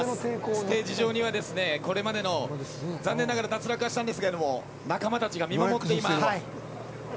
ステージ上にはこれまでの残念ながら脱落はしたんですけども仲間たちが見守っています。